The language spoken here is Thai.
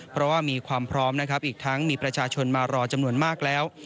เพราะว่ามีความพร้อมนะครับอีกทั้งมีประชาชนมารอจำนวนมากแล้ว